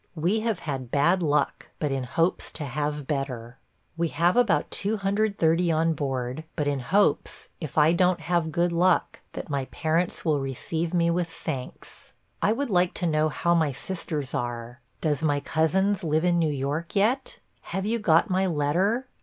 We have had bad luck, but in hopes to have better. We have about 230 on board, but in hopes, if do n't kave good luck, that my parents will receive me with thanks. I would like to know how my sisters are. Does my cousins live in New York yet? Have you got my letter?